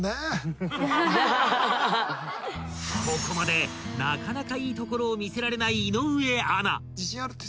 ［ここまでなかなかいいところを見せられない井上アナ］